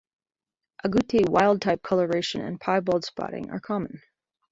Agouti "wild type" coloration and piebald spotting are common.